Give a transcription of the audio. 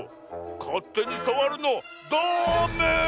かってにさわるのダメ！